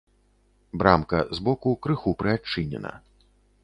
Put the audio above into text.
Брамка збоку крыху прыадчынена.